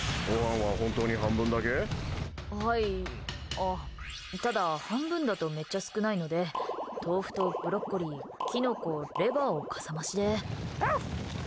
あっ、ただ半分だとめっちゃ少ないので豆腐とブロッコリー、キノコレバーをかさ増しで。